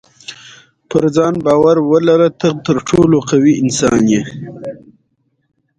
د فقه شریعت پښتو په دې ځای کې تمامه ده.